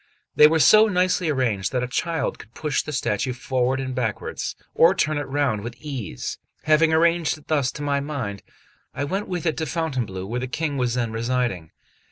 They were so nicely arranged that a child could push the statue forward and backwards, or turn it round with ease. Having arranged it thus to my mind, I went with it to Fountainebleau, where the King was then residing.